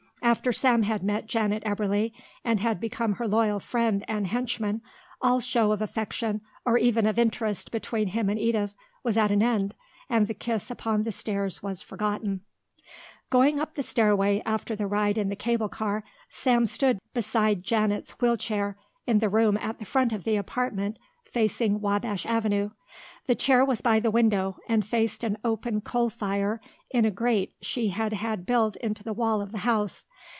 After Sam had met Janet Eberly and had become her loyal friend and henchman all show of affection or even of interest between him and Edith was at an end and the kiss upon the stairs was forgotten. Going up the stairway after the ride in the cable car Sam stood beside Janet's wheel chair in the room at the front of the apartment facing Wabash Avenue. The chair was by the window and faced an open coal fire in a grate she had had built into the wall of the house.